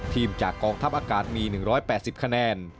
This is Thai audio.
จากกองทัพอากาศมี๑๘๐คะแนน